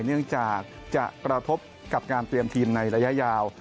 เนื่องจากจะกระทบกับการเตรียมทีมในระยะยาว